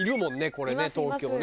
これね東京ね。